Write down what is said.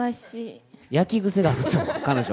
焼き癖があるんですよ、彼女。